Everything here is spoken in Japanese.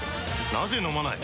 なぜ飲まない？